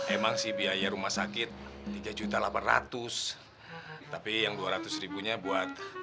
emang sih biaya rumah sakit tiga juta delapan ratus tapi yang dua ratus nya buat